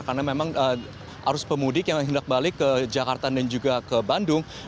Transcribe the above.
karena memang arus pemudik yang hendak balik ke jakarta dan juga ke bandung